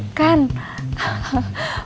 mereka mungkin malas